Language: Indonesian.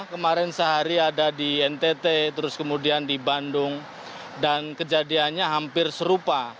kemarin sehari ada di ntt terus kemudian di bandung dan kejadiannya hampir serupa